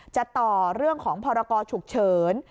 จะต่อเรื่องของพรกรฉุกเฉิน